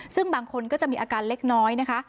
ซึ่งบางคนก็จะมีอาการเล็กน้อยนะคะ